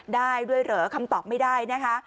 ได้ด้วยเหรอคำตอบไม่ได้นะคะ